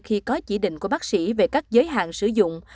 khi có chỉ định của bác sĩ về các giới hạn sử dụng